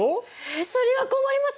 えそれは困ります！